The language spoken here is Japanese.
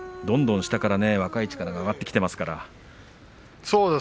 どんどん下から若い力が上がってきていますから。